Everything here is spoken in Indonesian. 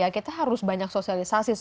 kita harus banyak sosialisasi